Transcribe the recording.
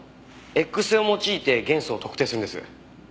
Ｘ線を用いて元素を特定するんです。